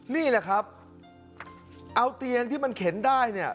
นี่แหละครับเอาเตียงที่มันเข็นได้เนี่ย